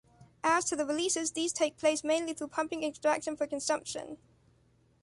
As to the releases, these take place mainly through pumping extraction for consumption.